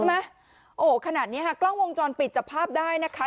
ไหมโอ้ขนาดเนี้ยค่ะกล้องวงจรปิดจับภาพได้นะคะ